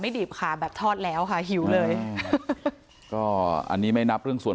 บีบขาแบบทอดแล้วค่ะหิวเลยก็อันนี้ไม่นับเรื่องส่วน